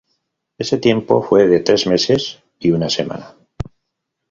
Ese tiempo fue de tres meses y una semana.